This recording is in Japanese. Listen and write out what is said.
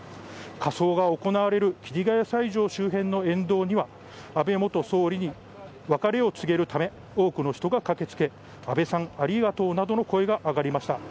火葬が行われる桐ヶ谷斎場周辺の沿道には安倍元総理に別れを告げるため、多くの人が駆けつけ、安倍さんありがとうなどの声が上がりました。